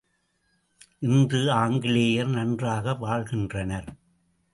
இன்று ஆங்கிலேயர் நன்றாக வாழ்கின்றனர்!